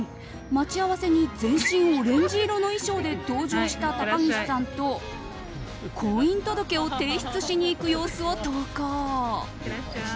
待ち合わせに全身オレンジ色の衣装で登場した高岸さんと婚姻届を提出しに行く様子を投稿。